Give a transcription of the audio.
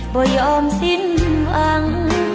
ก็ยอมสิ้นหวัง